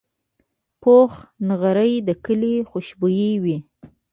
پوخ نغری د کلي خوشبويي وي